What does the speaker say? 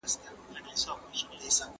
تحقیقي ادب معلومات زیاتوي.